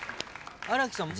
新木さん